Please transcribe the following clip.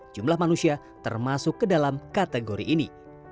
jumlah manusia termasuk ke dalam kategori ini